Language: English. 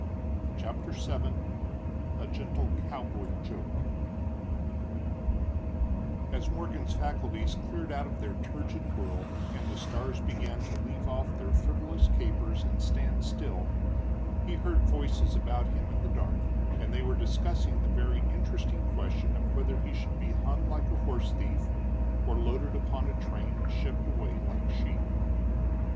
CHAPTER VII A GENTLE COWBOY JOKE As Morgan's faculties cleared out of their turgid whirl, and the stars began to leave off their frivolous capers and stand still, he heard voices about him in the dark, and they were discussing the very interesting question of whether he should be hung like a horse thief or loaded upon a train and shipped away like sheep.